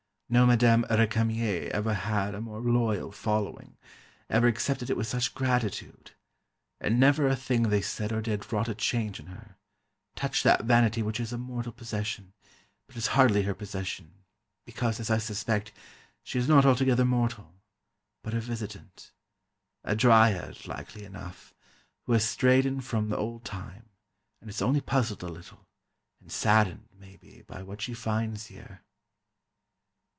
No Madame Récamier ever had a more loyal following, ever accepted it with such gratitude. And never a thing they said or did wrought a change in her, touched that vanity which is a mortal possession, but is hardly her possession, because, as I suspect, she is not altogether mortal, but a visitant—a dryad, likely enough, who has strayed in from the Old Time and is only puzzled a little, and saddened, maybe, by what she finds here.